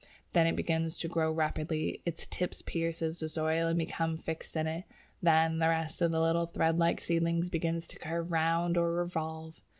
Then it begins to grow rapidly: its tip pierces the soil and becomes fixed in it; then the rest of the little thread like seedling begins to curve round or revolve.